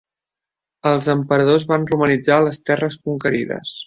Els emperadors van romanitzar les terres conquerides.